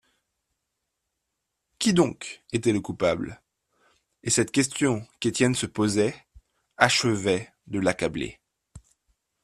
Qui donc était le coupable ? et cette question qu'Étienne se posait, achevait de l'accabler.